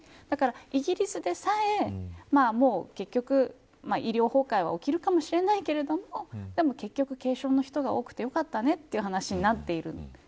だから、イギリスでさえ医療崩壊は起きるかもしれないけれどもでも結局、軽症の人が多くてよかったねって話になっている。